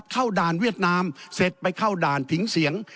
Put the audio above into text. ด่านเวียดนามเสร็จไปเข้าด่านผิงเสียง